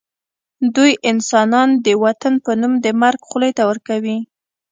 دوی انسانان د وطن په نوم د مرګ خولې ته ورکوي